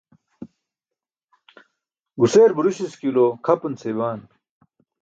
guseer buruśiskilo kʰapun seya baan.